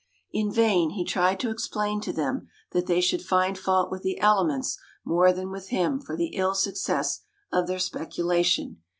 In vain he tried to explain to them that they should find fault with the elements more than with him for the ill success of their speculation.